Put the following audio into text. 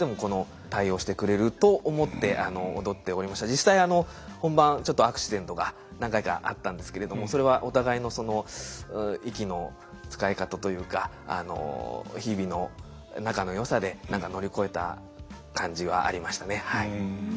実際本番ちょっとアクシデントが何回かあったんですけれどもそれはお互いのその息の使い方というか日々の仲の良さで何か乗り越えた感じはありましたね。